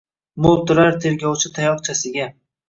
Mo’ltirar tergovchi tayoqchasiga —